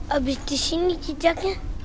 habis di sini jejaknya